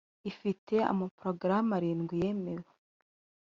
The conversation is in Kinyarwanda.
ifite amaporogaramu arindwi yemewe